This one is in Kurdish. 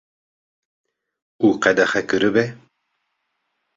û qedexe kiribe